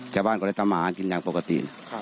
จ้าบ้านก็จะทำมากินอย่างปกติ